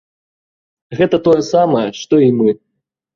Гэта тое самае, што і мы.